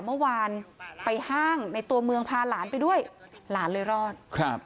เมื่อวานไปห้างในตัวเมืองพาหลานไปด้วยหลานเลยรอดครับ